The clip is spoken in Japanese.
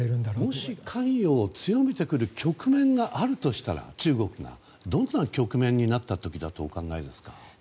中国が、もし関与を強めてくる局面があるとしたらどんな局面になった時だと思われますか？